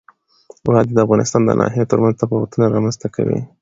وادي د افغانستان د ناحیو ترمنځ تفاوتونه رامنځ ته کوي.